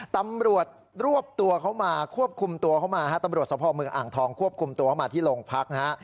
ตำรวจรวบตัวเขามาควบคุมตัวเข้ามาฮะตำรวจสภเมืองอ่างทองควบคุมตัวเข้ามาที่โรงพักนะฮะ